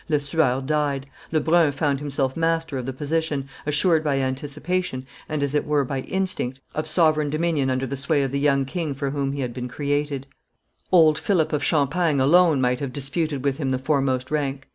Lesueur died; Lebrun found himself master of the position, assured by anticipation, and as it were by instinct, of sovereign, dominion under the sway of the young king for whom he had been created. [Illustration: Lesueur 676] Old Philip of Champagne alone might have disputed with him the foremost rank.